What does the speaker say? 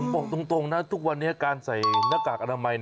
บอกตรงนะทุกวันนี้การใส่หน้ากากอนามัย